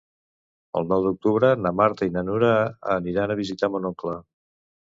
El nou d'octubre na Marta i na Nura aniran a visitar mon oncle.